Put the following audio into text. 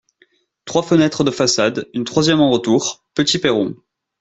Trois fenêtres de façade, une troisième en retour ; petit perron.